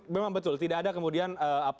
memang betul tidak ada kemudian